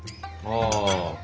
ああ。